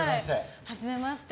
はじめまして。